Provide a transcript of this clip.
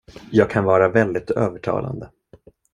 Jag kan vara väldigt övertalande.